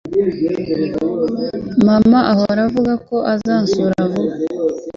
Mama ahora avuga ko azansura vuba